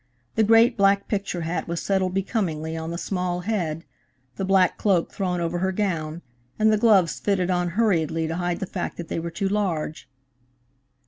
The great black picture hat was settled becomingly on the small head, the black cloak thrown over her gown, and the gloves fitted on hurriedly to hide the fact that they were too large.